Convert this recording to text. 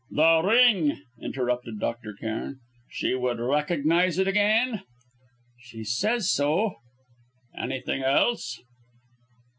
"The ring," interrupted Dr. Cairn "she would recognise it again?" "She says so." "Anything else?"